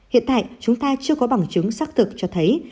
hiện tại chúng ta chưa có bằng chứng xác thực cho thấy